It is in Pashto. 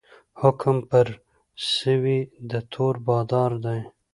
حکم پر سوی د تور بادار دی